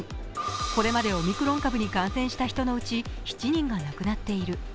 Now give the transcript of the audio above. これまでオミクロン株に感染した人のうち７人が亡くなっている。